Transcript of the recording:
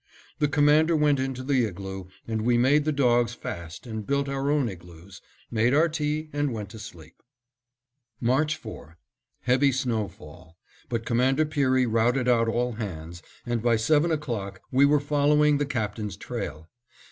The Commander went into the igloo, and we made the dogs fast and built our own igloos, made our tea and went to sleep. March 4: Heavy snow fall; but Commander Peary routed out all hands, and by seven o'clock we were following the Captain's trail.